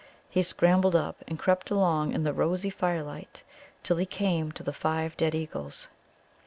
He scrambled up and crept along in the rosy firelight till he came to the five dead eagles.